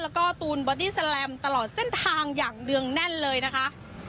แล้วก็ตูนบอดี้แลมตลอดเส้นทางอย่างเนื่องแน่นเลยนะคะ